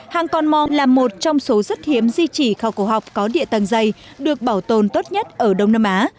hàng con mòn là một trong số rất hiếm di chỉ khảo cổ học có địa tầng dày được bảo tồn tốt nhất ở đông nam á